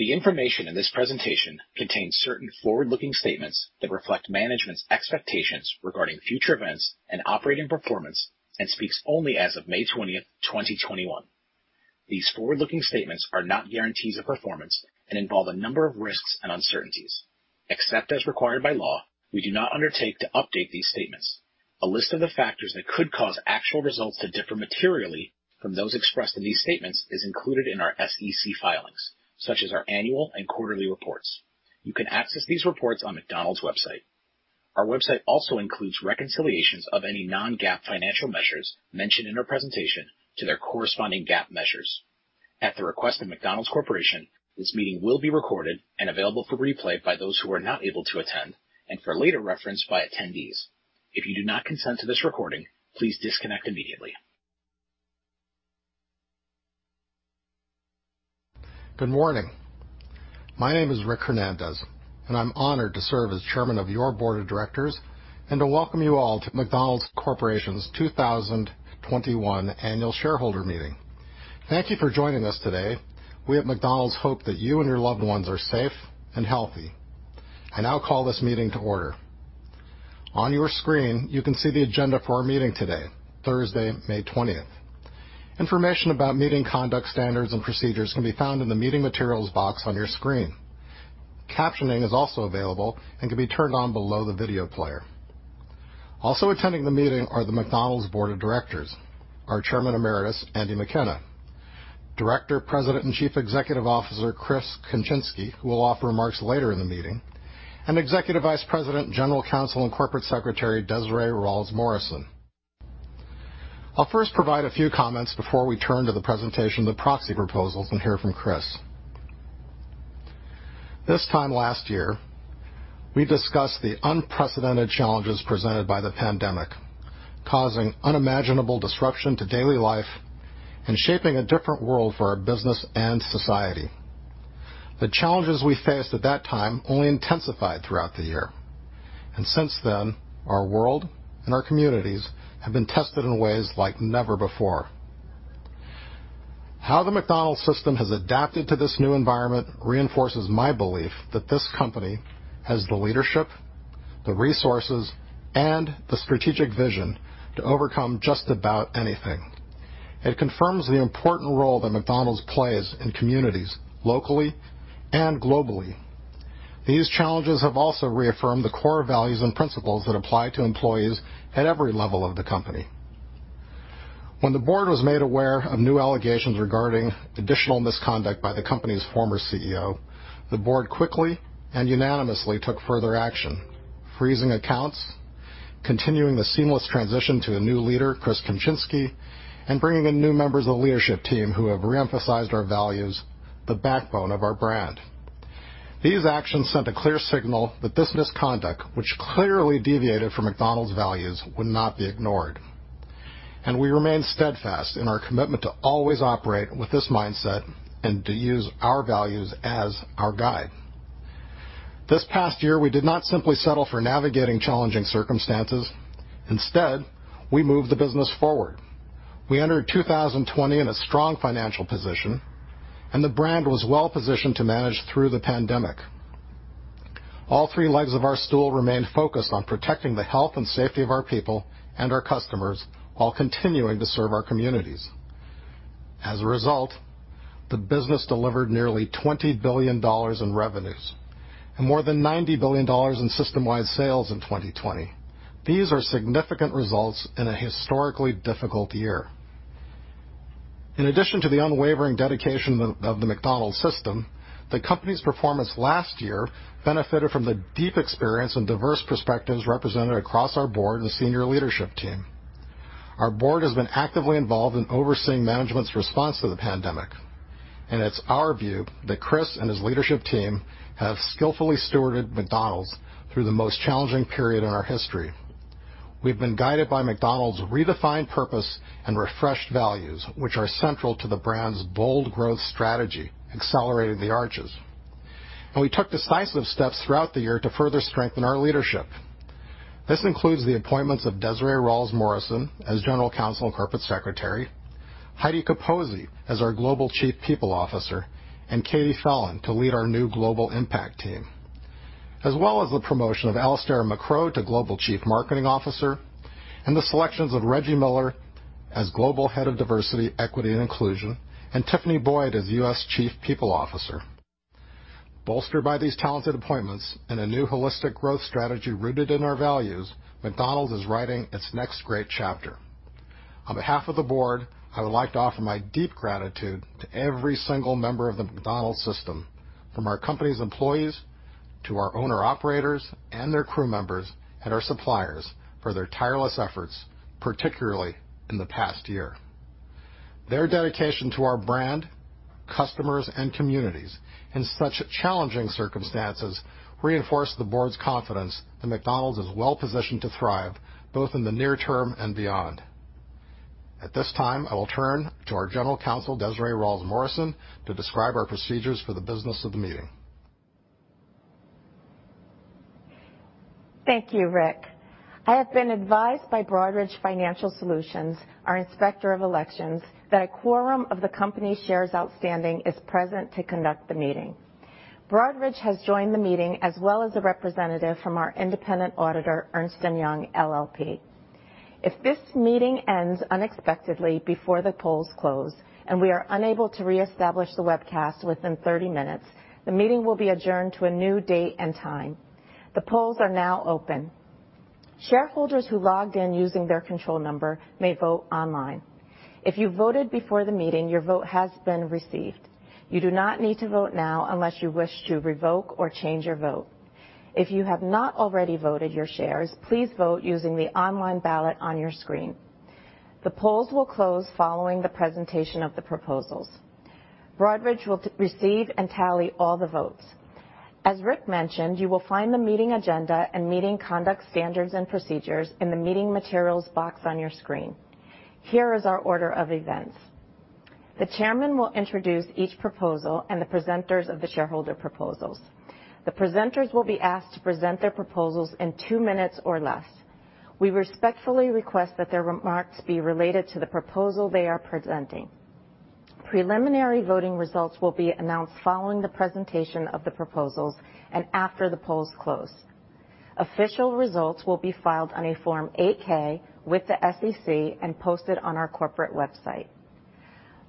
The information in this presentation contains certain forward-looking statements that reflect management's expectations regarding future events and operating performance and speaks only as of May 20th, 2021. These forward-looking statements are not guarantees of performance and involve a number of risks and uncertainties. Except as required by law, we do not undertake to update these statements. A list of the factors that could cause actual results to differ materially from those expressed in these statements is included in our SEC filings, such as our annual and quarterly reports. You can access these reports on McDonald's website. Our website also includes reconciliations of any non-GAAP financial measures mentioned in our presentation to their corresponding GAAP measures. At the request of McDonald's Corporation, this meeting will be recorded and available for replay by those who are not able to attend and for later reference by attendees. If you do not consent to this recording, please disconnect immediately. Good morning. My name is Rick Hernandez, I'm honored to serve as Chairman of your Board of Directors and to welcome you all to McDonald's Corporation's 2021 Annual Shareholder Meeting. Thank you for joining us today. We at McDonald's hope that you and your loved ones are safe and healthy. I now call this meeting to order. On your screen, you can see the agenda for our meeting today, Thursday, May 20th. Information about meeting conduct, standards, and procedures can be found in the meeting materials box on your screen. Captioning is also available and can be turned on below the video player. Also attending the meeting are the McDonald's Board of Directors, our Chairman Emeritus, Andy McKenna, Director, President, and Chief Executive Officer, Chris Kempczinski, who will offer remarks later in the meeting, and Executive Vice President, General Counsel, and Corporate Secretary, Desiree Ralls-Morrison. I'll first provide a few comments before we turn to the presentation of the proxy proposals and hear from Chris. This time last year, we discussed the unprecedented challenges presented by the pandemic, causing unimaginable disruption to daily life and shaping a different world for our business and society. The challenges we faced at that time only intensified throughout the year, and since then, our world and our communities have been tested in ways like never before. How the McDonald's system has adapted to this new environment reinforces my belief that this company has the leadership, the resources, and the strategic vision to overcome just about anything. It confirms the important role that McDonald's plays in communities locally and globally. These challenges have also reaffirmed the core values and principles that apply to employees at every level of the company. When the Board was made aware of new allegations regarding additional misconduct by the company's former CEO, the Board quickly and unanimously took further action, freezing accounts, continuing the seamless transition to a new leader, Chris Kempczinski, and bringing in new members of the leadership team who have reemphasized our values, the backbone of our brand. These actions sent a clear signal that this misconduct, which clearly deviated from McDonald's values, would not be ignored. We remain steadfast in our commitment to always operate with this mindset and to use our values as our guide. This past year, we did not simply settle for navigating challenging circumstances. Instead, we moved the business forward. We entered 2020 in a strong financial position, and the brand was well-positioned to manage through the pandemic. All three legs of our stool remained focused on protecting the health and safety of our people and our customers while continuing to serve our communities. As a result, the business delivered nearly $20 billion in revenues and more than $90 billion in system-wide sales in 2020. These are significant results in a historically difficult year. In addition to the unwavering dedication of the McDonald's system, the company's performance last year benefited from the deep experience and diverse perspectives represented across our Board and senior leadership team. Our Board has been actively involved in overseeing management's response to the pandemic, and it's our view that Chris and his leadership team have skillfully stewarded McDonald's through the most challenging period in our history. We've been guided by McDonald's redefined purpose and refreshed values, which are central to the brand's bold growth strategy, Accelerating the Arches. We took decisive steps throughout the year to further strengthen our leadership. This includes the appointments of Desiree Ralls-Morrison as General Counsel and Corporate Secretary, Heidi Capozzi as our Global Chief People Officer, and Katie Fallon to lead our new global impact team, as well as the promotion of Alistair Macrow to Global Chief Marketing Officer and the selections of Reggie Miller as Global Head of Diversity, Equity, and Inclusion, and Tiffanie Boyd as U.S. Chief People Officer. Bolstered by these talented appointments and a new holistic growth strategy rooted in our values, McDonald's is writing its next great chapter. On behalf of the Board, I would like to offer my deep gratitude to every single member of the McDonald's system, from our company's employees to our owner-operators and their crew members and our suppliers for their tireless efforts, particularly in the past year. Their dedication to our brand, customers, and communities in such challenging circumstances reinforce the Board's confidence that McDonald's is well-positioned to thrive, both in the near term and beyond. At this time, I will turn to our General Counsel, Desiree Ralls-Morrison, to describe our procedures for the business of the meeting. Thank you, Rick. I have been advised by Broadridge Financial Solutions, our Inspector of Elections, that a quorum of the company shares outstanding is present to conduct the meeting. Broadridge has joined the meeting, as well as a representative from our independent auditor, Ernst & Young LLP. If this meeting ends unexpectedly before the polls close, and we are unable to reestablish the webcast within 30 minutes, the meeting will be adjourned to a new date and time. The polls are now open. Shareholders who logged in using their control number may vote online. If you voted before the meeting, your vote has been received. You do not need to vote now unless you wish to revoke or change your vote. If you have not already voted your shares, please vote using the online ballot on your screen. The polls will close following the presentation of the proposals. Broadridge will receive and tally all the votes. As Rick mentioned, you will find the meeting agenda and meeting conduct standards and procedures in the meeting materials box on your screen. Here is our order of events. The Chairman will introduce each proposal and the presenters of the shareholder proposals. The presenters will be asked to present their proposals in two minutes or less. We respectfully request that their remarks be related to the proposal they are presenting. Preliminary voting results will be announced following the presentation of the proposals and after the polls close. Official results will be filed on a Form 8-K with the SEC and posted on our corporate website.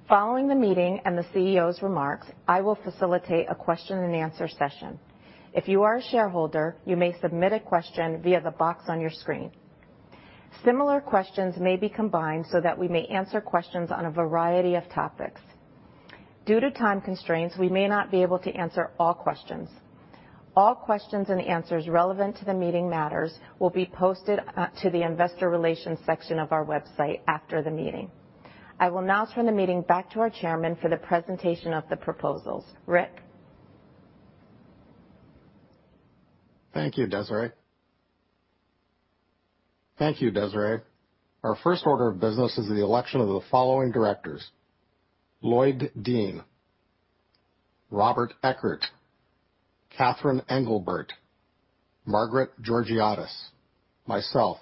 Following the meeting and the CEO's remarks, I will facilitate a question-and-answer session. If you are a shareholder, you may submit a question via the box on your screen. Similar questions may be combined so that we may answer questions on a variety of topics. Due to time constraints, we may not be able to answer all questions. All questions and answers relevant to the meeting matters will be posted to the investor relations section of our website after the meeting. I will now turn the meeting back to our Chairman for the presentation of the proposals. Rick? Thank you, Desiree. Our first order of business is the election of the following directors: Lloyd Dean, Robert Eckert, Catherine Engelbert, Margaret Georgiadis, myself,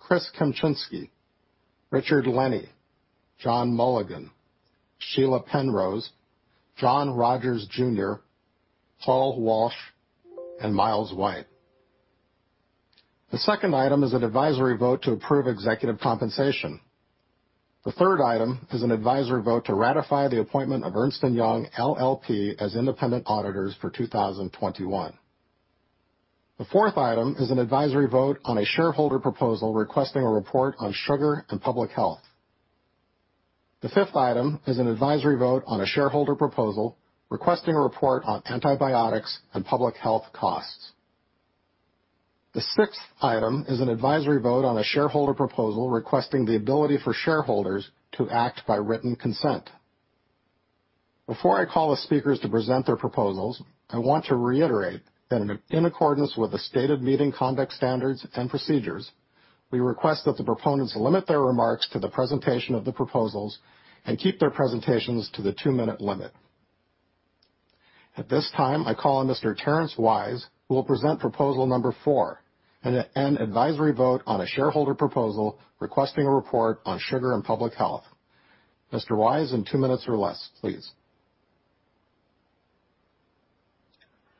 Chris Kempczinski, Richard Lenny, John Mulligan, Sheila Penrose, John Rogers Jr., Paul Walsh, and Miles White. The second item is an advisory vote to approve executive compensation. The third item is an advisory vote to ratify the appointment of Ernst & Young LLP as independent auditors for 2021. The fourth item is an advisory vote on a shareholder proposal requesting a report on sugar and public health. The fifth item is an advisory vote on a shareholder proposal requesting a report on antibiotics and public health costs. The sixth item is an advisory vote on a shareholder proposal requesting the ability for shareholders to act by written consent. Before I call the speakers to present their proposals, I want to reiterate that in accordance with the stated meeting conduct standards and procedures, we request that the proponents limit their remarks to the presentation of the proposals and keep their presentations to the two-minute limit. At this time, I call on Mr. Terrence Wise, who will present Proposal number 4, an advisory vote on a shareholder proposal requesting a report on sugar and public health. Mr. Wise, in two minutes or less, please.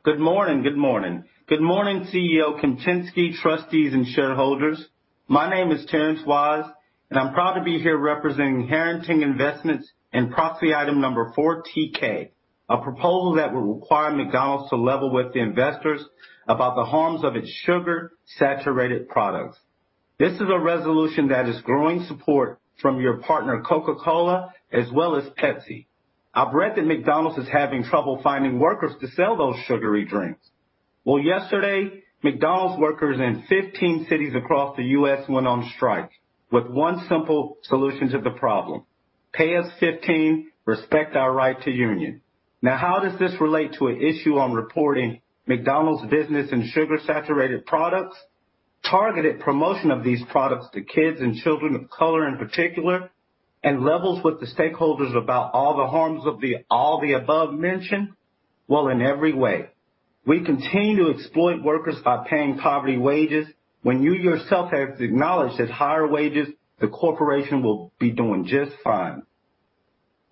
Good morning. Good morning, CEO Kempczinski, trustees, and shareholders. My name is Terrence Wise, I'm proud to be here representing Harrington Investments and proxy item number 4TK, a proposal that would require McDonald's to level with the investors about the harms of its sugar-saturated products. This is a resolution that is growing support from your partner Coca-Cola as well as Pepsi. I've read that McDonald's is having trouble finding workers to sell those sugary drinks. Well, yesterday, McDonald's workers in 15 cities across the U.S. went on strike with one simple solution to the problem. Pay us $15, respect our right to union. Now, how does this relate to an issue on reporting McDonald's business and sugar-saturated products, targeted promotion of these products to kids and children of color in particular, and levels with the stakeholders about all the harms of all the above mention? Well, in every way. We continue to exploit workers by paying poverty wages when you yourself have acknowledged that higher wages, the corporation will be doing just fine.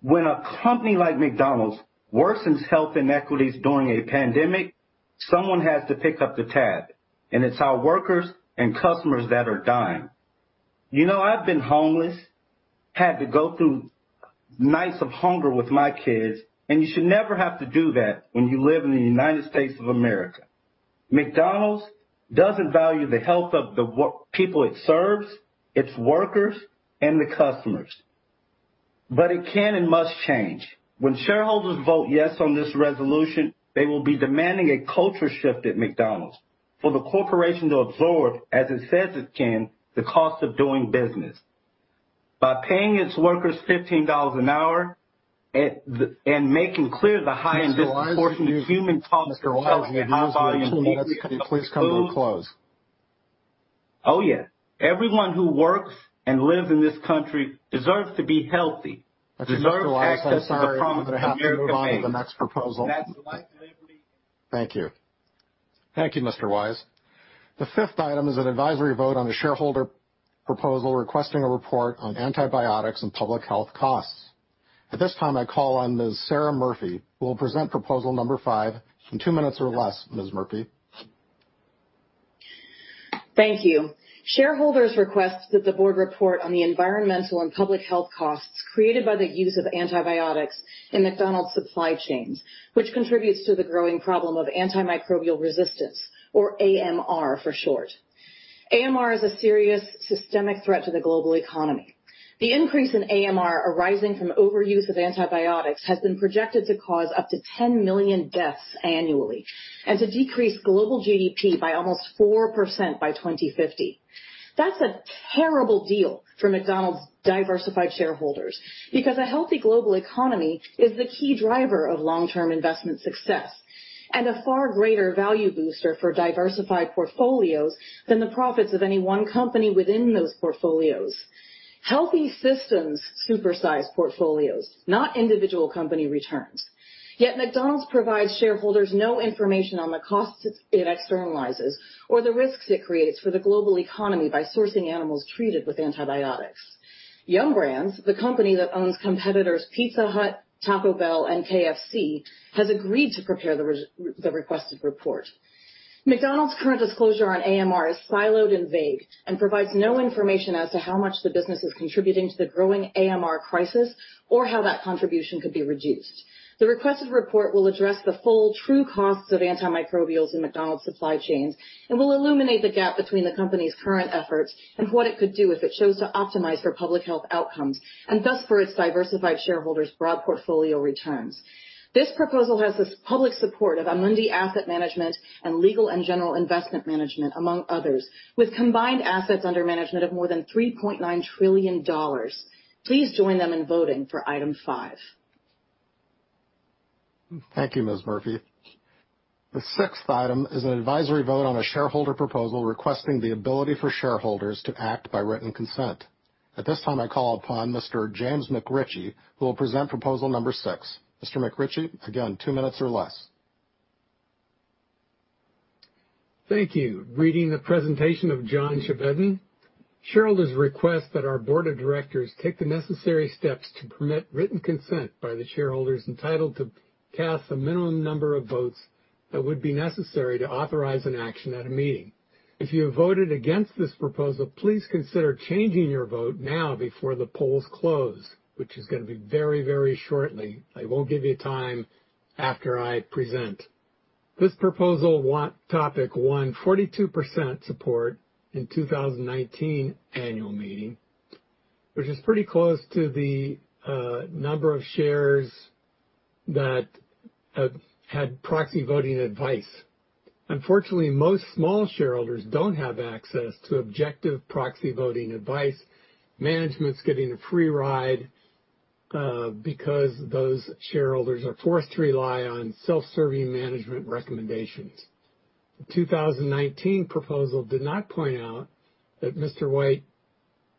When a company like McDonald's worsens health inequities during a pandemic, someone has to pick up the tab, and it's our workers and customers that are dying. You all have been homeless, had to go through ICE and hunger with my kids and you should never have to do that when you live in the United States of America. McDonald's doesn't value the health of the people it serves, its workers, and the customers. It can and must change. When shareholders vote yes on this resolution, they will be demanding a culture shift at McDonald's for the corporation to absorb, as it says it can, the cost of doing business. By paying its workers $15 an hour and making clear the high and disproportionate human cost- Mr. Wise, you have two minutes. Please come to a close. Oh yeah. Everyone who works and lives in this country deserves to be healthy, deserves access to the promise of a fair go. Mr, Wise, I am sorry. I just want to move on to the proponents have a chance to make the next proposal. Thank you. Thank you, Mr. Wise. The fifth item is an advisory vote on the shareholder proposal requesting a report on antibiotics and public health costs. At this time, I call on Ms. Sara Murphy, who will present Proposal number 5 in two minutes or less, Ms. Murphy. Thank you. Shareholders request that the Board report on the environmental and public health costs created by the use of antibiotics in McDonald's supply chain, which contributes to the growing problem of antimicrobial resistance, or AMR for short. AMR is a serious systemic threat to the global economy. The increase in AMR arising from overuse of antibiotics has been projected to cause up to 10 million deaths annually and to decrease global GDP by almost 4% by 2050. That's a terrible deal for McDonald's diversified shareholders because a healthy global economy is the key driver of long-term investment success and a far greater value booster for diversified portfolios than the profits of any one company within those portfolios. Healthy systems supersize portfolios, not individual company returns yet McDonald's provides shareholders no information on the costs it externalizes or the risks it creates for the global economy by sourcing animals treated with antibiotics. Yum! Brands, the company that owns competitors Pizza Hut, Taco Bell, and KFC, has agreed to prepare the requested report. McDonald's current disclosure on AMR is siloed and vague and provides no information as to how much the business is contributing to the growing AMR crisis or how that contribution could be reduced. The requested report will address the full true costs of antimicrobials in McDonald's supply chains and will illuminate the gap between the company's current efforts and what it could do if it chose to optimize for public health outcomes and thus for its diversified shareholders' broad portfolio returns. This proposal has the public support of Amundi Asset Management and Legal & General Investment Management, among others, with combined assets under management of more than $3.9 trillion. Please join them in voting for Item 5. Thank you, Ms. Murphy. The sixth item is an advisory vote on a shareholder proposal requesting the ability for shareholders to act by written consent. At this time, I call upon Mr. James McRitchie, who will present Proposal number 6. Mr. McRitchie, again, two minutes or less. Thank you. Reading the presentation of John Chevedden, shareholders request that our Board of Directors take the necessary steps to permit written consent by the shareholders entitled to cast the minimum number of votes that would be necessary to authorize an action at a meeting. If you have voted against this proposal, please consider changing your vote now before the polls close, which is going to be very, very shortly. I will give you time after I present. This proposal topic won 42% support in 2019 annual meeting, which is pretty close to the number of shares that had proxy voting advice. Unfortunately, most small shareholders don't have access to objective proxy voting advice. Management's getting a free ride because those shareholders are forced to rely on self-serving management recommendations. The 2019 proposal did not point out that Miles White,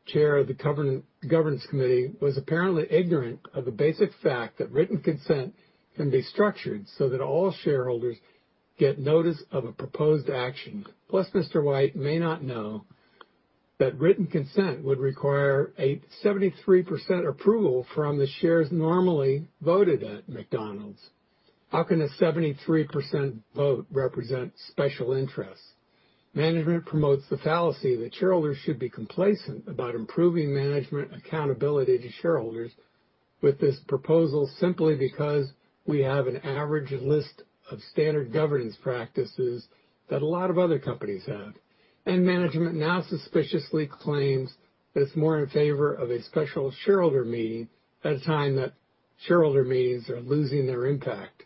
Chair of the Governance Committee, was apparently ignorant of the basic fact that written consent can be structured so that all shareholders get notice of a proposed action, plus Miles White may not know that written consent would require a 73% approval from the shares normally voted at McDonald's. How can a 73% vote represent special interests? Management promotes the fallacy that shareholders should be complacent about improving management accountability to shareholders with this proposal simply because we have an average list of standard governance practices that a lot of other companies have. Management now suspiciously claims that it's more in favor of a special shareholder meeting at a time that shareholder meetings are losing their impact.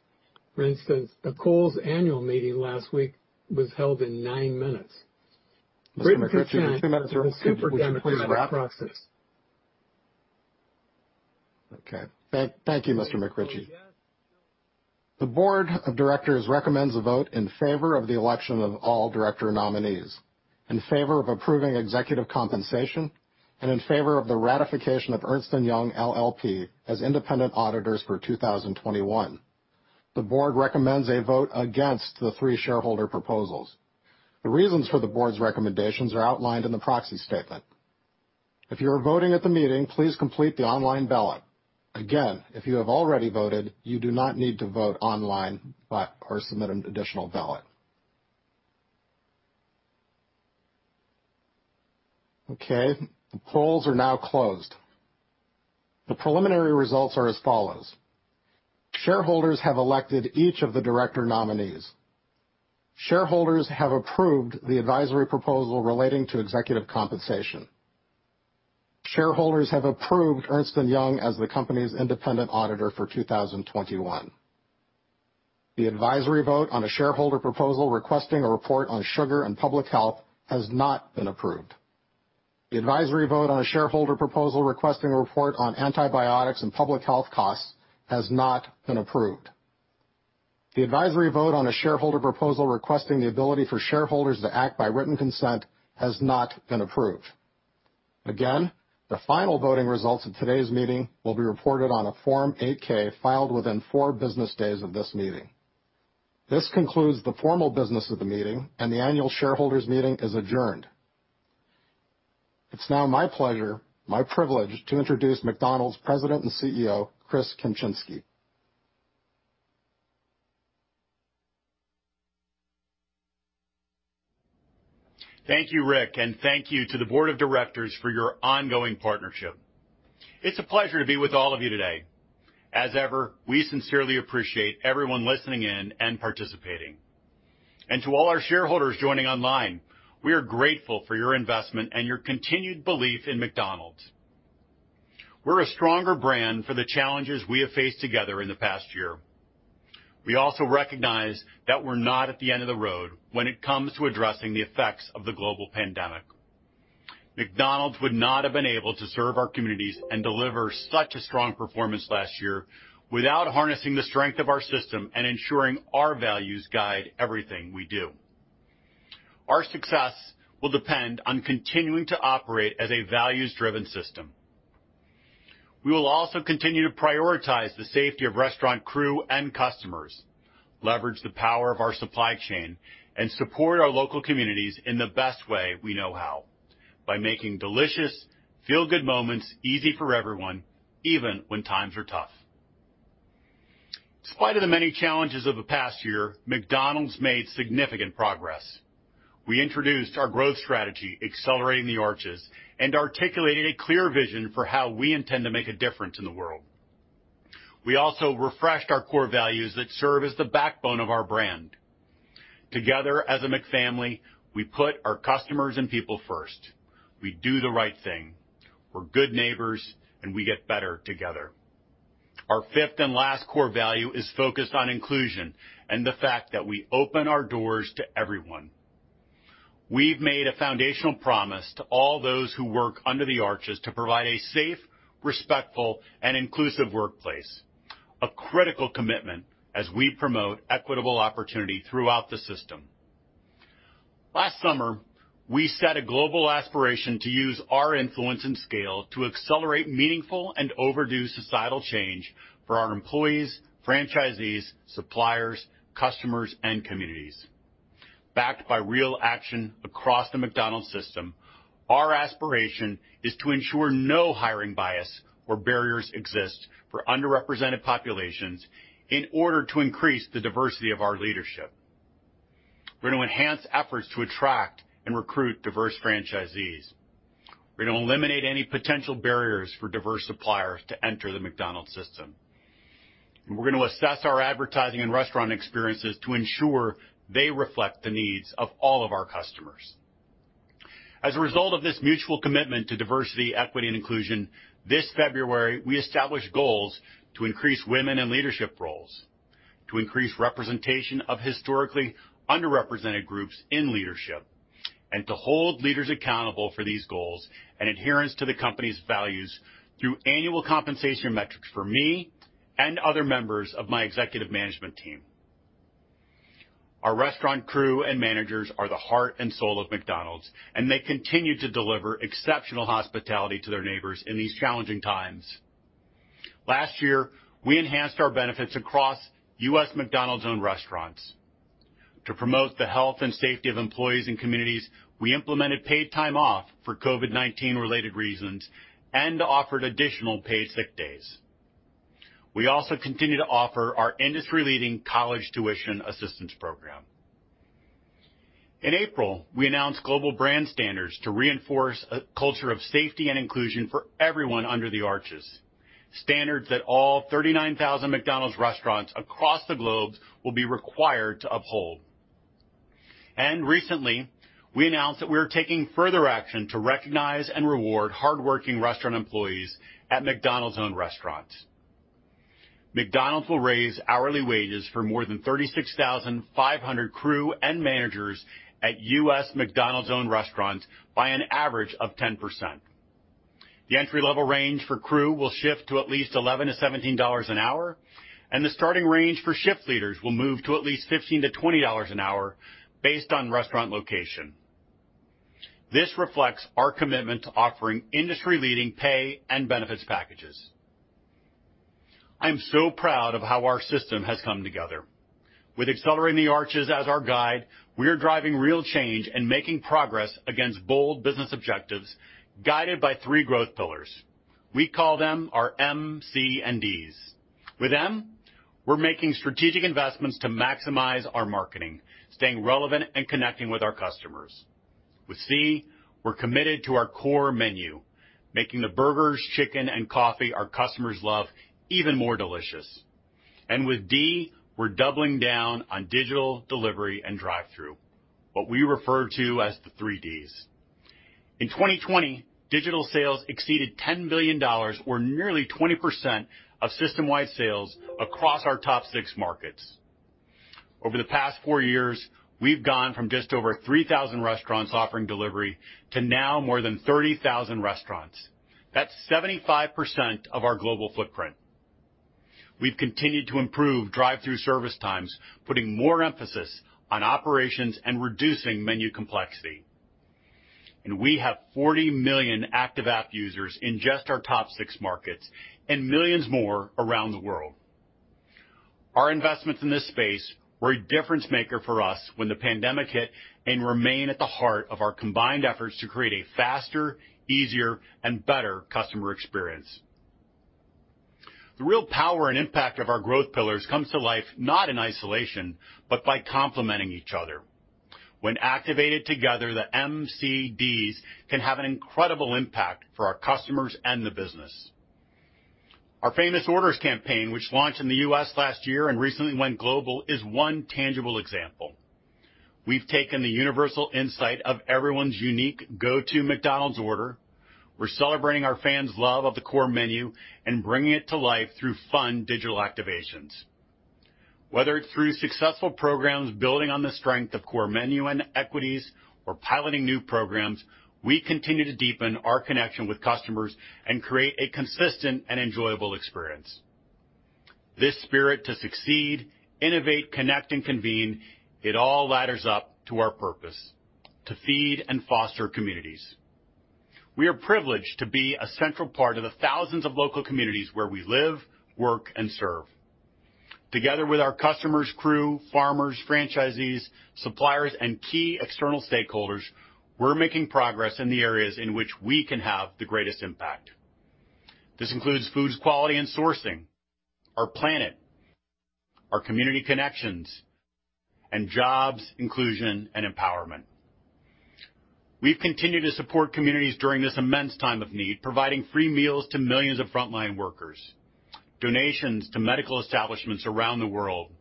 For instance, the Kohl's Annual Meeting last week was held in nine minutes. Mr. McRitchie, two minutes are up. Would you please wrap? Okay. Thank you, Mr. McRitchie. The Board of Directors recommends a vote in favor of the election of all director nominees, in favor of approving executive compensation, and in favor of the ratification of Ernst & Young LLP as independent auditors for 2021. The Board recommends a vote against the three shareholder proposals. The reasons for the Board's recommendations are outlined in the proxy statement. If you are voting at the meeting, please complete the online ballot. Again, if you have already voted, you do not need to vote online or submit an additional ballot. Okay. The polls are now closed. The preliminary results are as follows. Shareholders have elected each of the director nominees. Shareholders have approved the advisory proposal relating to executive compensation. Shareholders have approved Ernst & Young as the company's independent auditor for 2021. The advisory vote on a shareholder proposal requesting a report on sugar and public health has not been approved. The advisory vote on a shareholder proposal requesting a report on antibiotics and public health costs has not been approved. The advisory vote on a shareholder proposal requesting the ability for shareholders to act by written consent has not been approved. Again, the final voting results of today's meeting will be reported on a Form 8-K filed within four business days of this meeting. This concludes the formal business of the meeting, and the annual shareholders' meeting is adjourned. It's now my pleasure, my privilege, to introduce McDonald's President and CEO, Chris Kempczinski. Thank you, Rick, and thank you to the Board of Directors for your ongoing partnership. It's a pleasure to be with all of you today. As ever, we sincerely appreciate everyone listening in and participating. To all our shareholders joining online, we are grateful for your investment and your continued belief in McDonald's. We're a stronger brand for the challenges we have faced together in the past year. We also recognize that we're not at the end of the road when it comes to addressing the effects of the global pandemic. McDonald's would not have been able to serve our communities and deliver such a strong performance last year without harnessing the strength of our system and ensuring our values guide everything we do. Our success will depend on continuing to operate as a values-driven system. We will also continue to prioritize the safety of restaurant crew and customers, leverage the power of our supply chain, and support our local communities in the best way we know how, by making delicious feel-good moments easy for everyone, even when times are tough. Despite the many challenges of the past year, McDonald's made significant progress. We introduced our growth strategy, Accelerating the Arches, and articulated a clear vision for how we intend to make a difference in the world. We also refreshed our core values that serve as the backbone of our brand. Together as a McFamily, we put our customers and people first. We do the right thing. We're good neighbors, and we get better together. Our fifth and last core value is focused on inclusion and the fact that we open our doors to everyone. We've made a foundational promise to all those who work under the arches to provide a safe, respectful, and inclusive workplace, a critical commitment as we promote equitable opportunity throughout the system. Last summer, we set a global aspiration to use our influence and scale to accelerate meaningful and overdue societal change for our employees, franchisees, suppliers, customers, and communities. Backed by real action across the McDonald's system, our aspiration is to ensure no hiring bias or barriers exist for underrepresented populations in order to increase the diversity of our leadership. We're going to enhance efforts to attract and recruit diverse franchisees. We're going to eliminate any potential barriers for diverse suppliers to enter the McDonald's system. We're going to assess our advertising and restaurant experiences to ensure they reflect the needs of all of our customers. As a result of this mutual commitment to diversity, equity, and inclusion, this February, we established goals to increase women in leadership roles, to increase representation of historically underrepresented groups in leadership, and to hold leaders accountable for these goals and adherence to the company's values through annual compensation metrics for me and other members of my executive management team. Our restaurant crew and managers are the heart and soul of McDonald's, and they continue to deliver exceptional hospitality to their neighbors in these challenging times. Last year, we enhanced our benefits across U.S. McDonald's-owned restaurants. To promote the health and safety of employees and communities, we implemented paid time off for COVID-19 related reasons and offered additional paid sick days. We also continue to offer our industry-leading college tuition assistance program. In April, we announced global brand standards to reinforce a culture of safety and inclusion for everyone under the arches, standards that all 39,000 McDonald's restaurants across the globe will be required to uphold. Recently, we announced that we are taking further action to recognize and reward hardworking restaurant employees at McDonald's-owned restaurants. McDonald's will raise hourly wages for more than 36,500 crew and managers at U.S. McDonald's-owned restaurants by an average of 10%. The entry-level range for crew will shift to at least $11-$17 an hour, and the starting range for shift leaders will move to at least $15-$20 an hour based on restaurant location. This reflects our commitment to offering industry-leading pay and benefits packages. I'm so proud of how our system has come together. With Accelerating the Arches as our guide, we are driving real change and making progress against bold business objectives guided by three growth pillars. We call them our M, C, and Ds. With M, we're making strategic investments to maximize our marketing, staying relevant, and connecting with our customers. With C, we're committed to our core menu, making the burgers, chicken, and coffee our customers love even more delicious. With D, we're doubling down on digital, delivery, and drive-thru, what we refer to as the 3Ds. In 2020, digital sales exceeded $10 billion, or nearly 20% of system-wide sales across our top six markets. Over the past four years, we've gone from just over 3,000 restaurants offering delivery to now more than 30,000 restaurants. That's 75% of our global footprint. We've continued to improve drive-thru service times, putting more emphasis on operations and reducing menu complexity. We have 40 million active app users in just our top six markets and millions more around the world. Our investments in this space were a difference-maker for us when the pandemic hit and remain at the heart of our combined efforts to create a faster, easier, and better customer experience. The real power and impact of our growth pillars comes to life not in isolation, but by complementing each other. When activated together, the MCD can have an incredible impact for our customers and the business. Our Famous Orders campaign, which launched in the U.S. last year and recently went global, is one tangible example. We've taken the universal insight of everyone's unique go-to McDonald's order. We're celebrating our fans' love of the core menu and bringing it to life through fun digital activations. Whether it's through successful programs, building on the strength of core menu and equities, or piloting new programs, we continue to deepen our connection with customers and create a consistent and enjoyable experience. This spirit to succeed, innovate, connect, and convene, it all ladders up to our purpose: to feed and foster communities. We are privileged to be a central part of the thousands of local communities where we live, work, and serve. Together with our customers, crew, farmers, franchisees, suppliers, and key external stakeholders, we're making progress in the areas in which we can have the greatest impact. This includes food quality and sourcing, our planet, our community connections, and jobs, inclusion, and empowerment. We've continued to support communities during this immense time of need, providing free meals to millions of frontline workers, donations to medical establishments around the world,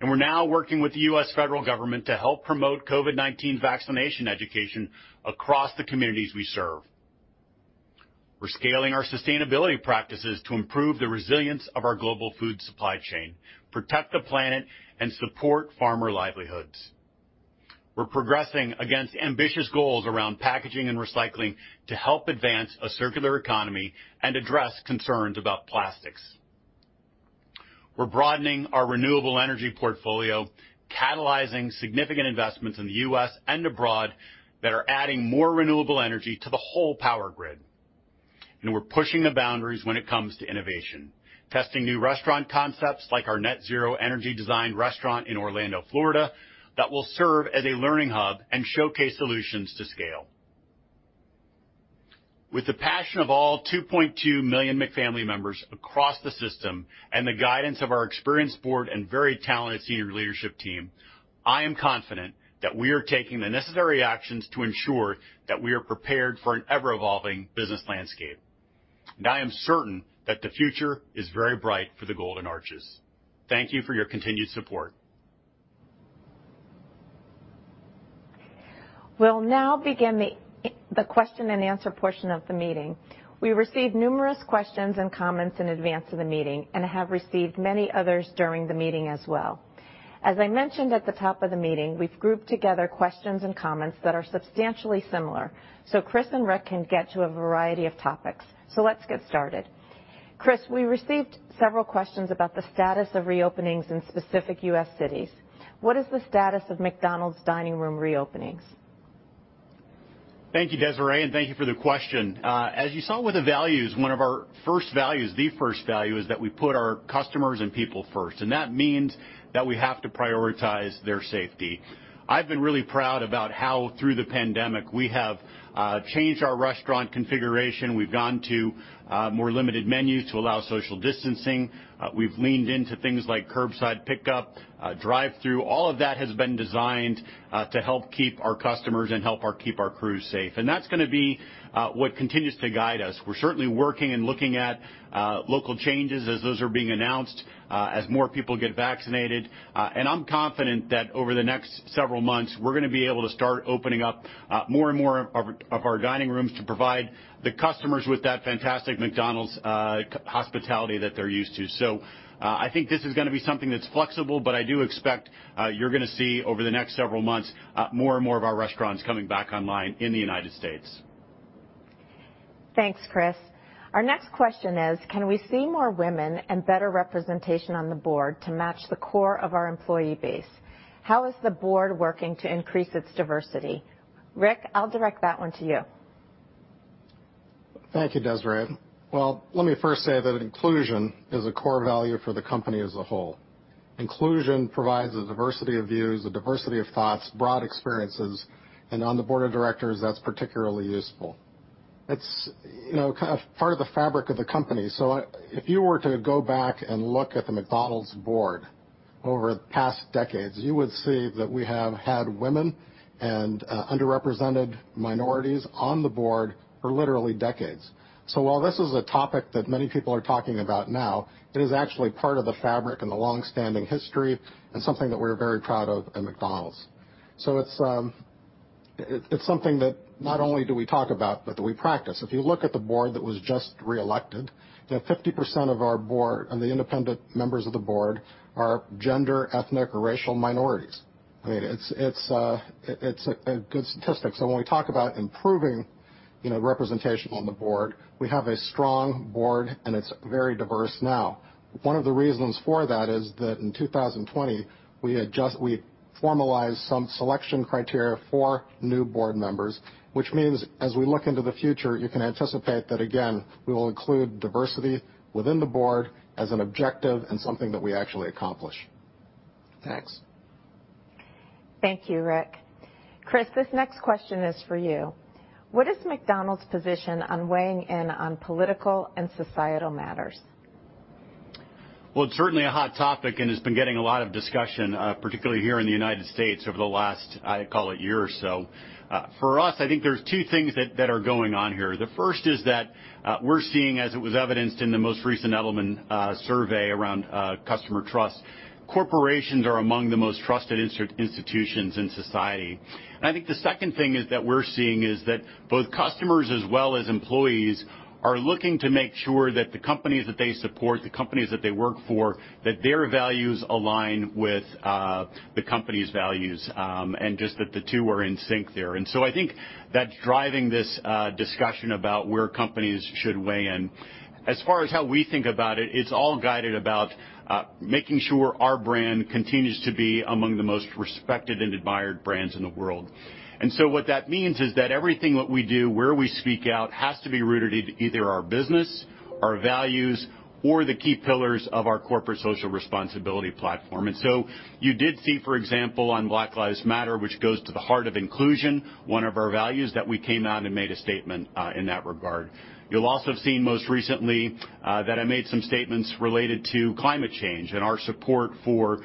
and we're now working with the U.S. federal government to help promote COVID-19 vaccination education across the communities we serve. We're scaling our sustainability practices to improve the resilience of our global food supply chain, protect the planet, and support farmer livelihoods. We're progressing against ambitious goals around packaging and recycling to help advance a circular economy and address concerns about plastics. We're broadening our renewable energy portfolio, catalyzing significant investments in the U.S. and abroad that are adding more renewable energy to the whole power grid. We're pushing the boundaries when it comes to innovation, testing new restaurant concepts like our net zero energy design restaurant in Orlando, Florida, that will serve as a learning hub and showcase solutions to scale. With the passion of all 2.2 million McFamily members across the system and the guidance of our experienced Board and very talented senior leadership team, I am confident that we are taking the necessary actions to ensure that we are prepared for an ever-evolving business landscape. I am certain that the future is very bright for the Golden Arches. Thank you for your continued support. We'll now begin the question-and-answer portion of the meeting. We received numerous questions and comments in advance of the meeting and have received many others during the meeting as well. As I mentioned at the top of the meeting, we've grouped together questions and comments that are substantially similar so Chris and Rick can get to a variety of topics. Let's get started. Chris, we received several questions about the status of reopenings in specific U.S. cities. What is the status of McDonald's dining room reopenings? Thank you, Desiree, and thank you for the question. As you saw with the values, one of our first values, the first value, is that we put our customers and people first, and that means that we have to prioritize their safety. I've been really proud about how, through the pandemic, we have changed our restaurant configuration. We've gone to more limited menus to allow social distancing. We've leaned into things like curbside pickup, drive-through. All of that has been designed to help keep our customers and help keep our crew safe and that's going to be what continues to guide us. We're certainly working and looking at local changes as those are being announced, as more people get vaccinated. I'm confident that over the next several months, we're going to be able to start opening up more and more of our dining rooms to provide the customers with that fantastic McDonald's hospitality that they're used to. I think this is going to be something that's flexible, but I do expect you're going to see over the next several months, more and more of our restaurants coming back online in the United States. Thanks, Chris. Our next question is: Can we see more women and better representation on the Board to match the core of our employee base? How is the Board working to increase its diversity? Rick, I'll direct that one to you. Thank you, Desiree. Well, let me first say that inclusion is a core value for the company as a whole. Inclusion provides a diversity of views, a diversity of thoughts, broad experiences, and on the Board of Directors, that's particularly useful. It's part of the fabric of the company. If you were to go back and look at the McDonald's Board over the past decades, you would see that we have had women and underrepresented minorities on the Board for literally decades. While this is a topic that many people are talking about now, it is actually part of the fabric and the longstanding history and something that we're very proud of at McDonald's. It's something that not only do we talk about, but we practice. If you look at the Board that was just re-elected, that 50% of our Board and the Independent Members of the Board are gender, ethnic, or racial minorities. It's a good statistic. When we talk about improving representation on the Board, we have a strong Board and it's very diverse now. One of the reasons for that is that in 2020, we formalized some selection criteria for new Board members, which means as we look into the future, you can anticipate that, again, we will include diversity within the Board as an objective and something that we actually accomplish. Next. Thank you, Rick. Chris, this next question is for you. What is McDonald's position on weighing in on political and societal matters? Well, it's certainly a hot topic, and it's been getting a lot of discussion, particularly here in the United States over the last, I call it year or so. For us, I think there's two things that are going on here. The first is that we're seeing, as it was evidenced in the most recent Edelman survey around customer trust, corporations are among the most trusted institutions in society. I think the second thing is that we're seeing is that both customers as well as employees are looking to make sure that the companies that they support, the companies that they work for, that their values align with the company's values, and just that the two are in sync there. I think that's driving this discussion about where companies should weigh in. As far as how we think about it's all guided about making sure our brand continues to be among the most respected and admired brands in the world. What that means is that everything that we do, where we speak out, has to be rooted either in our business, our values, or the key pillars of our corporate social responsibility platform. You did see, for example, on Black Lives Matter, which goes to the heart of inclusion, one of our values, that we came out and made a statement in that regard. You'll also have seen most recently that I made some statements related to climate change and our support for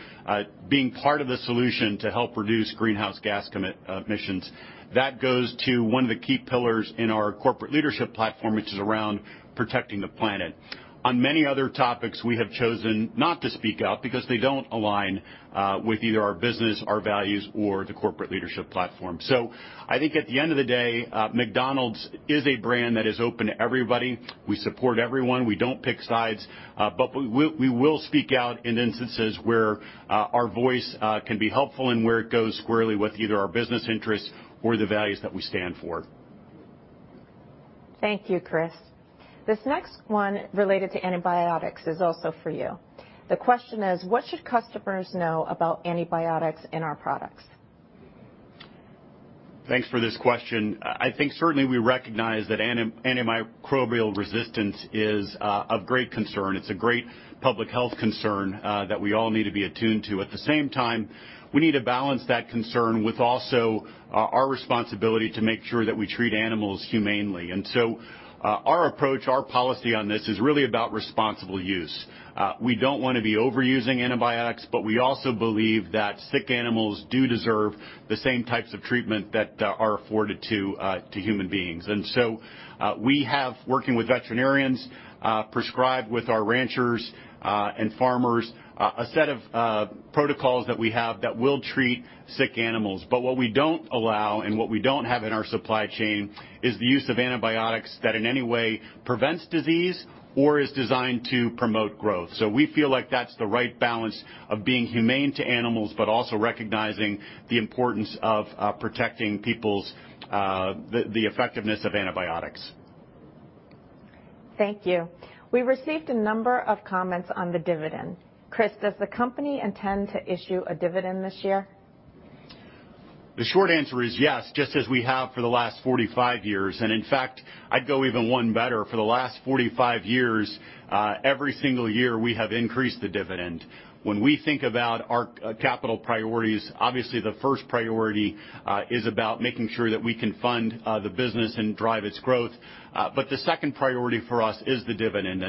being part of the solution to help reduce greenhouse gas emissions. That goes to one of the key pillars in our corporate leadership platform, which is around protecting the planet. On many other topics, we have chosen not to speak out because they don't align with either our business, our values, or the corporate leadership platform. I think at the end of the day, McDonald's is a brand that is open to everybody. We support everyone. We don't pick sides. We will speak out in instances where our voice can be helpful and where it goes squarely with either our business interests or the values that we stand for. Thank you, Chris. This next one related to antibiotics is also for you. The question is, what should customers know about antibiotics in our products? Thanks for this question. I think certainly we recognize that antimicrobial resistance is of great concern. It's a great public health concern that we all need to be attuned to. At the same time, we need to balance that concern with also our responsibility to make sure that we treat animals humanely. Our approach, our policy on this is really about responsible use. We don't want to be overusing antibiotics, but we also believe that sick animals do deserve the same types of treatment that are afforded to human beings. We have, working with veterinarians, prescribed with our ranchers and farmers a set of protocols that we have that will treat sick animals. What we don't allow and what we don't have in our supply chain is the use of antibiotics that in any way prevents disease or is designed to promote growth. We feel like that's the right balance of being humane to animals, but also recognizing the importance of protecting the effectiveness of antibiotics. Thank you. We received a number of comments on the dividend. Chris, does the company intend to issue a dividend this year? The short answer is yes, just as we have for the last 45 years. In fact, I'd go even one better. For the last 45 years, every single year, we have increased the dividend. When we think about our capital priorities, obviously the first priority is about making sure that we can fund the business and drive its growth. The second priority for us is the dividend.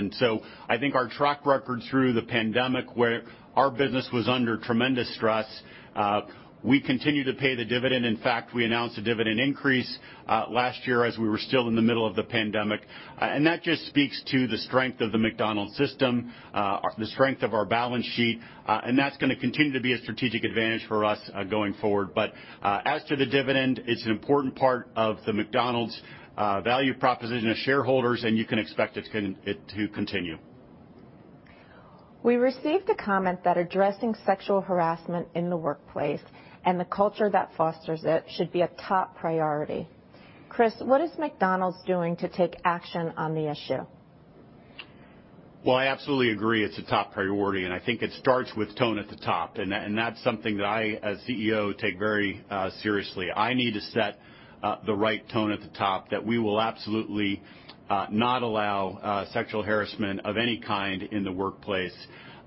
I think our track record through the pandemic, where our business was under tremendous stress, we continued to pay the dividend. In fact, we announced a dividend increase last year as we were still in the middle of the pandemic. That just speaks to the strength of the McDonald's system, the strength of our balance sheet, and that's going to continue to be a strategic advantage for us going forward. As for the dividend, it's an important part of the McDonald's value proposition to shareholders, and you can expect it to continue. We received a comment that addressing sexual harassment in the workplace and the culture that fosters it should be a top priority. Chris, what is McDonald's doing to take action on the issue? I absolutely agree it's a top priority, and I think it starts with tone at the top. That's something that I, as CEO, take very seriously. I need to set the right tone at the top that we will absolutely not allow sexual harassment of any kind in the workplace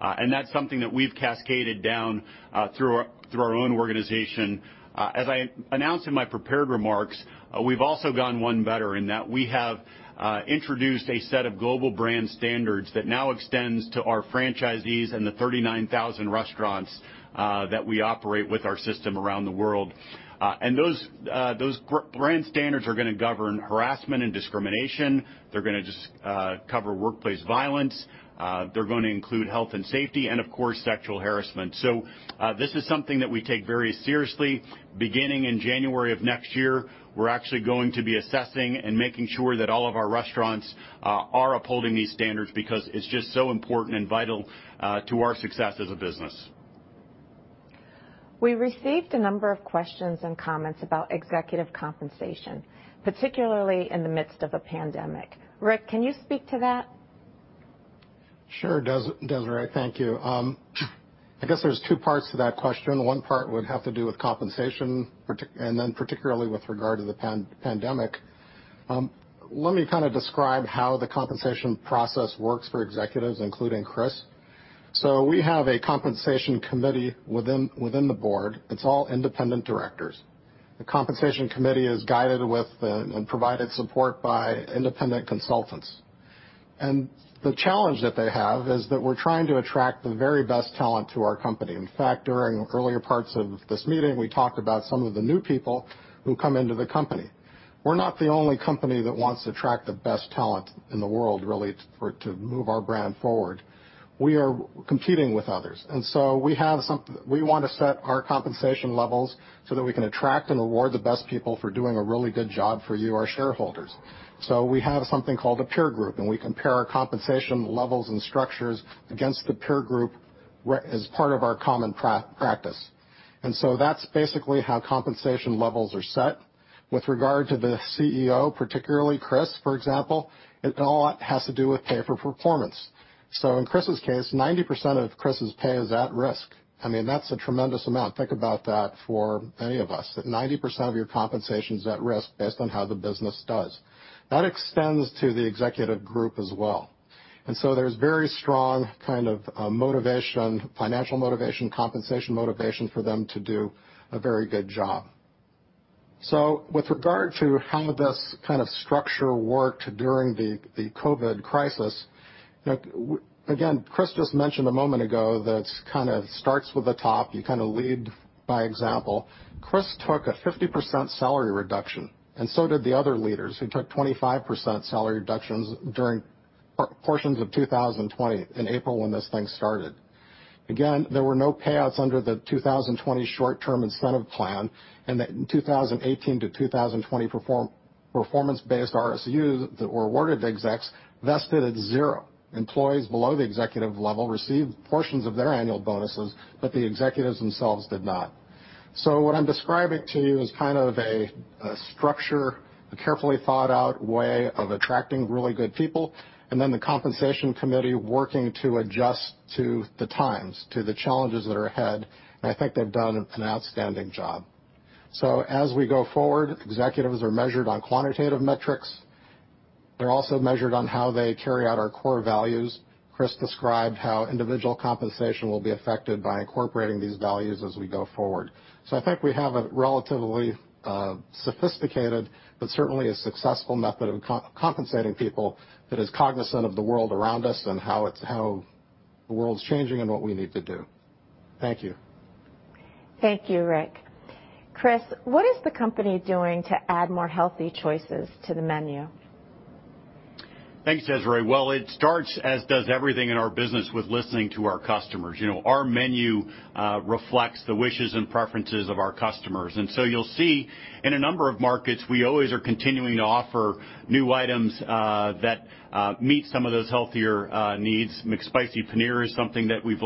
and that's something that we've cascaded down through our own organization. As I announced in my prepared remarks, we've also gone one better in that we have introduced a set of global brand standards that now extends to our franchisees and the 39,000 restaurants that we operate with our system around the world. Those brand standards are going to govern harassment and discrimination. They're going to cover workplace violence. They're going to include health and safety and, of course, sexual harassment. This is something that we take very seriously. Beginning in January of next year, we're actually going to be assessing and making sure that all of our restaurants are upholding these standards because it's just so important and vital to our success as a business. We received a number of questions and comments about executive compensation, particularly in the midst of a pandemic. Rick, can you speak to that? Sure, Desiree. Thank you. I guess there's two parts to that question. One part would have to do with compensation, then particularly with regard to the pandemic. Let me describe how the compensation process works for executives, including Chris. We have a Compensation Committee within the Board. It's all independent directors. The Compensation Committee is guided with and provided support by independent consultants. The challenge that they have is that we're trying to attract the very best talent to our company. In fact, during earlier parts of this meeting, we talked about some of the new people who come into the company. We're not the only company that wants to attract the best talent in the world, really, to move our brand forward. We are competing with others and so we want to set our compensation levels so that we can attract and reward the best people for doing a really good job for you, our shareholders so we have something called a peer group. We compare our compensation levels and structures against the peer group as part of our common practice. That's basically how compensation levels are set. With regard to the CEO, particularly Chris, for example, it all has to do with pay for performance. In Chris' case, 90% of Chris' pay is at risk. That's a tremendous amount. Think about that for any of us, that 90% of your compensation is at risk based on how the business does. That extends to the executive group as well. There's very strong motivation, financial motivation, compensation motivation for them to do a very good job. With regard to how this kind of structure worked during the COVID crisis, again, Chris just mentioned a moment ago that it starts with the top. You lead by example. Chris took a 50% salary reduction and so did the other leaders, who took 25% salary reductions during portions of 2020 in April when this thing started. Again, there were no payouts under the 2020 short-term incentive plan. The 2018-2020 performance-based RSUs that were awarded to execs vested at zero. Employees below the executive level received portions of their annual bonuses. The executives themselves did not. What I'm describing to you is a structure, a carefully thought-out way of attracting really good people and then the Compensation Committee working to adjust to the times, to the challenges that are ahead. I think they've done an outstanding job. As we go forward, executives are measured on quantitative metrics. They're also measured on how they carry out our core values. Chris described how individual compensation will be affected by incorporating these values as we go forward. I think we have a relatively sophisticated but certainly a successful method of compensating people that is cognizant of the world around us and how the world's changing and what we need to do. Thank you. Thank you, Rick. Chris, what is the company doing to add more healthy choices to the menu? Thanks, Desiree. Well, it starts, as does everything in our business, with listening to our customers. Our menu reflects the wishes and preferences of our customers. You'll see in a number of markets, we always are continuing to offer new items that meet some of those healthier needs. McSpicy Paneer is something that we've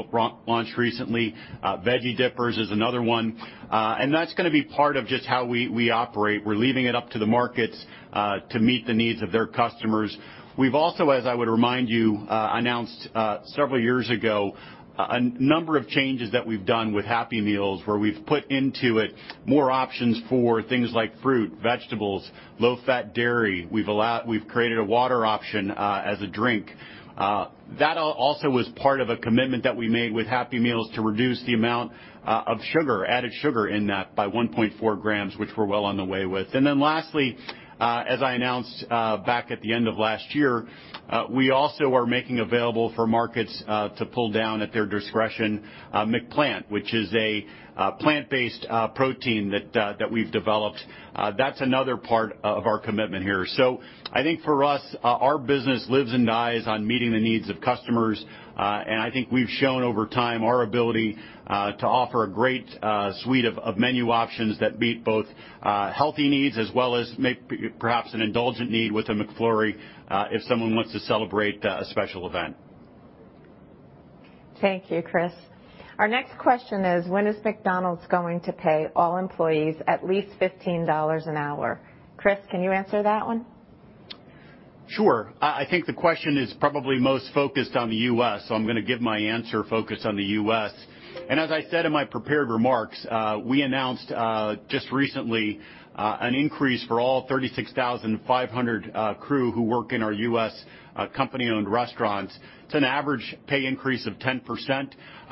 launched recently. Veggie Dippers is another one. That's going to be part of just how we operate. We're leaving it up to the markets to meet the needs of their customers. We've also, as I would remind you, announced several years ago, a number of changes that we've done with Happy Meals, where we've put into it more options for things like fruit, vegetables, low-fat dairy. We've created a water option as a drink but that also was part of a commitment that we made with Happy Meals to reduce the amount of added sugar in that by 1.4g, which we're well on the way with. Lastly, as I announced back at the end of last year, we also are making available for markets to pull down at their discretion McPlant, which is a plant-based protein that we've developed. That's another part of our commitment here. I think for us, our business lives and dies on meeting the needs of customers, and I think we've shown over time our ability to offer a great suite of menu options that meet both healthy needs as well as perhaps an indulgent need with a McFlurry if someone wants to celebrate a special event. Thank you, Chris. Our next question is, when is McDonald's going to pay all employees at least $15 an hour? Chris, can you answer that one? Sure. I think the question is probably most focused on the U.S., so I'm going to give my answer focused on the U.S. As I said in my prepared remarks, we announced just recently an increase for all 36,500 crew who work in our U.S. company-owned restaurants. It's an average pay increase of 10%,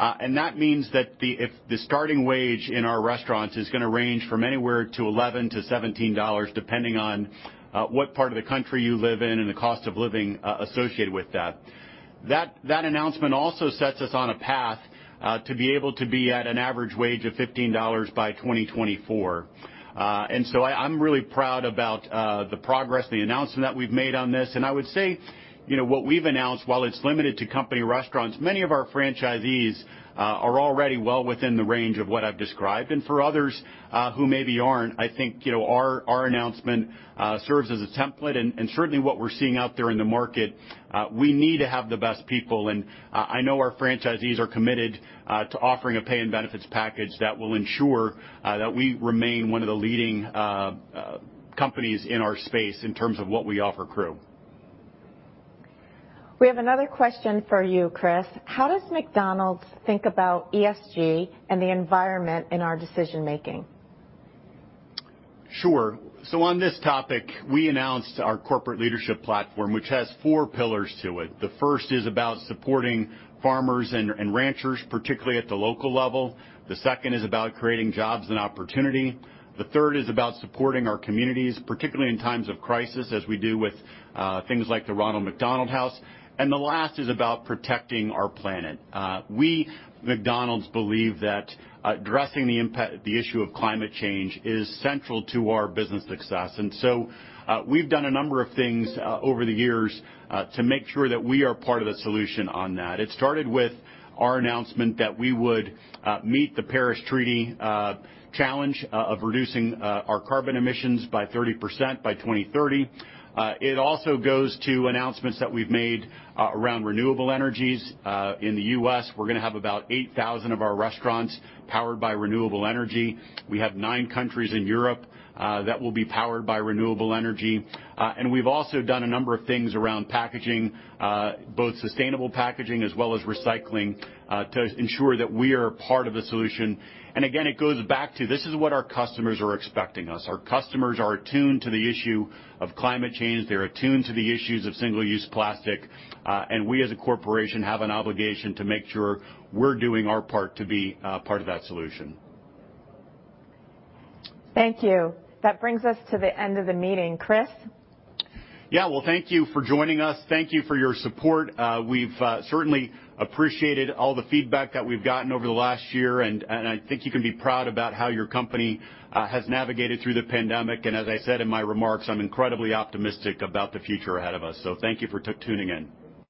and that means that the starting wage in our restaurants is going to range from anywhere to $11-$17, depending on what part of the country you live in and the cost of living associated with that. That announcement also sets us on a path to be able to be at an average wage of $15 by 2024. I'm really proud about the progress, the announcement that we've made on this. I would say, what we've announced, while it's limited to company restaurants, many of our franchisees are already well within the range of what I've described. For others who maybe aren't, I think our announcement serves as a template. Certainly what we're seeing out there in the market, we need to have the best people and I know our franchisees are committed to offering a pay and benefits package that will ensure that we remain one of the leading companies in our space in terms of what we offer crew. We have another question for you, Chris: how does McDonald's think about ESG and the environment in our decision-making? Sure. On this topic, we announced our corporate leadership platform, which has four pillars to it. The first is about supporting farmers and ranchers, particularly at the local level. The second is about creating jobs and opportunity. The third is about supporting our communities, particularly in times of crisis, as we do with things like the Ronald McDonald House and the last is about protecting our planet. We, McDonald's, believe that addressing the issue of climate change is central to our business success. We've done a number of things over the years to make sure that we are part of the solution on that. It started with our announcement that we would meet the Paris Treaty challenge of reducing our carbon emissions by 30% by 2030. It also goes to announcements that we've made around renewable energies. In the U.S., we're going to have about 8,000 of our restaurants powered by renewable energy. We have nine countries in Europe that will be powered by renewable energy. We've also done a number of things around packaging, both sustainable packaging as well as recycling, to ensure that we are part of the solution. Again, it goes back to this is what our customers are expecting us. Our customers are attuned to the issue of climate change. They're attuned to the issues of single-use plastic and we as a corporation have an obligation to make sure we're doing our part to be part of that solution. Thank you. That brings us to the end of the meeting. Chris? Well, thank you for joining us. Thank you for your support. We've certainly appreciated all the feedback that we've gotten over the last year, and I think you can be proud about how your company has navigated through the pandemic. As I said in my remarks, I'm incredibly optimistic about the future ahead of us. Thank you for tuning in.